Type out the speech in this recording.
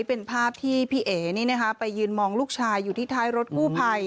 เป็นภาพที่พี่เอ๋ไปยืนมองลูกชายอยู่ที่ท้ายรถกู้ภัย